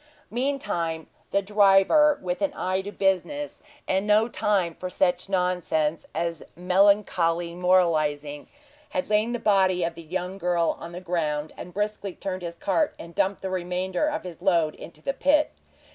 Meantime the driver, with an eye to business, and no time for such nonsense as melancholy moralizing, had laid the body of the young girl on the ground, and briskly turned his cart and dumped the remainder of his load into the pit.